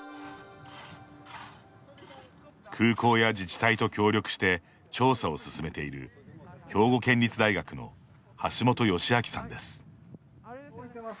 空港や自治体と協力して調査を進めている兵庫県立大学の橋本佳明さんです。